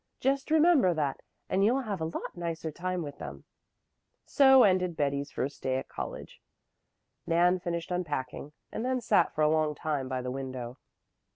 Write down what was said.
"Just remember that and you'll have a lot nicer time with them." So ended Betty's first day at college. Nan finished unpacking, and then sat for a long time by the window.